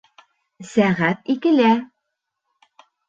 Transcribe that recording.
Сәғәт икелә